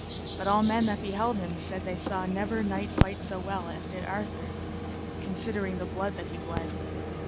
But all men that beheld him said they saw never knight fight so well as Arthur did considering the blood that he bled.